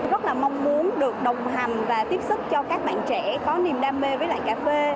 rất là mong muốn được đồng hành và tiếp sức cho các bạn trẻ có niềm đam mê với lại cà phê